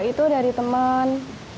itu dari teman